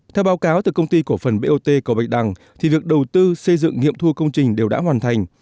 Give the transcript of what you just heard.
theo báo cáo từ công ty cổ phần bot cầu bạch đăng thì việc đầu tư xây dựng nghiệm thu công trình đều đã hoàn thành